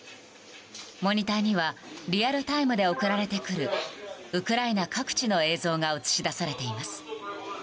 モニターにはリアルタイムで送られてくるウクライナ各地の映像が映し出されています。